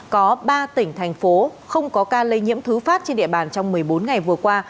có ba tỉnh thành phố không có ca lây nhiễm thứ phát trên địa bàn trong một mươi bốn ngày vừa qua